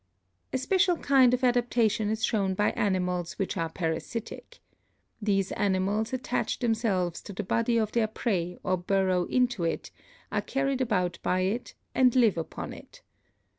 A special kind of adaptation is shown by animals which are parasitic. These animals attach themselves to the body of their prey or burrow into it, are carried about by it and live upon it.